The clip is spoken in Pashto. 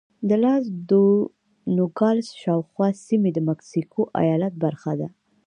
د لاس دو نوګالس شاوخوا سیمې د مکسیکو ایالت برخه وې.